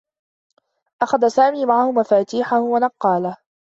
أخذ سامي معه مفاتيحه و نقّاله.